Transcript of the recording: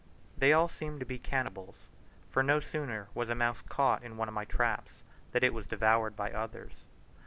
They all seem to be cannibals for no sooner was a mouse caught in one of my traps that it was devoured by others.